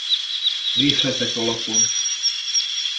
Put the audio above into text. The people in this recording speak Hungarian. Részletek a lapon.